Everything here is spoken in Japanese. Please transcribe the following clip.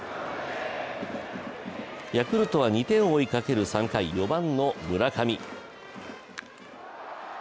ヤクルトは２点を追いかける３回、４番の村上。